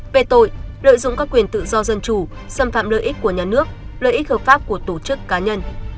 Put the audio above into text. về tội lợi dụng các quyền tự do dân chủ xâm phạm lợi ích của nhà nước lợi ích hợp pháp của tổ chức cá nhân